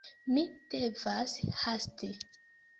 Mi devas hasti.